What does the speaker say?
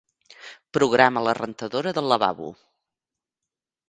Programa la rentadora del lavabo.